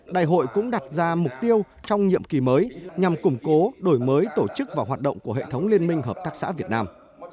đại hội cũng đặt ra mục tiêu trong nhiệm kỳ mới nhằm củng cố đổi mới tổ chức và hoạt động của hệ thống liên minh hợp tác xã việt nam